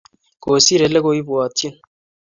Kosir olekoibwatchini